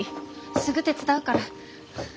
すぐ手伝うから。